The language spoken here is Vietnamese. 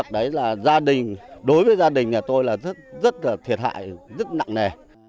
đấy là gia đình đối với gia đình tôi là rất thiệt hại rất nặng nè